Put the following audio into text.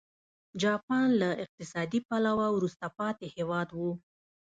جاپان له اقتصادي پلوه وروسته پاتې هېواد و.